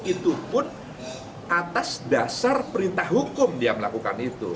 itu pun atas dasar perintah hukum dia melakukan itu